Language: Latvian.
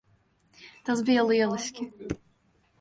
Tas bija lieliski.